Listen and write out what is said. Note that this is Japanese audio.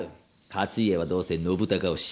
勝家はどうせ信孝推し。